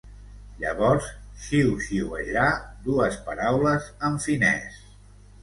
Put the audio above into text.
Llavors xiuxiuejà dues paraules en finès.